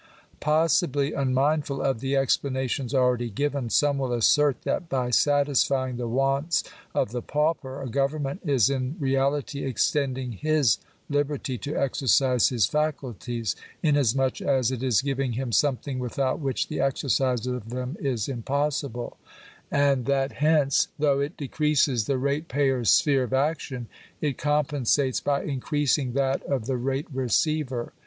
Possibly, un mindful of the explanations already given, some will assert that by satisfying the wants of the pauper, a government is in reality extending his liberty to exercise his faculties, inasmuch as it is giving him something without which the exercise of them is impossible ; and that hence, though it decreases the rate payer's sphere of action, it compensates by increasing that of the rate receiver.